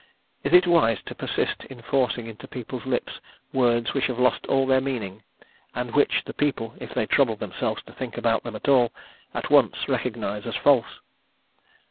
Is it wise to persist in forcing into people's lips words which have lost all their meaning, and which the people, if they trouble themselves to think about them at all, at once recognise as false?